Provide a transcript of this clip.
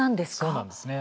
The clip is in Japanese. そうなんですね。